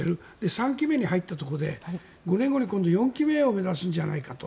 ３期目に入ったところで５年後に今度４期目を目指すんじゃないかと。